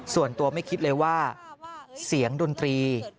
ส่วนตัวไม่คิดเลยว่าเสียงดนตรี